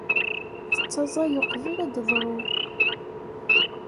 Tettaẓay uqbel ad d-teḍṛu.